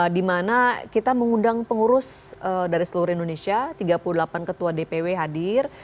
dimana kita mengundang pengurus dari seluruh indonesia tiga puluh delapan ketua dpw hadir